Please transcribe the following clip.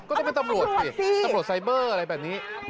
ก็ต้องเป็นตำรวจสิตำรวจไซเบอร์อะไรแบบนี้